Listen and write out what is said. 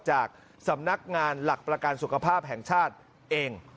จากสำนักงานหลักประกันสุขภาพแห่งชาติเอง